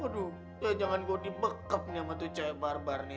aduh jangan jangan gue dibekap nih sama tuh cewek barbar nih